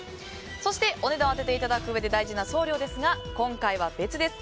そしてお値段を当てていただくうえで大事な送料ですが今回は別です。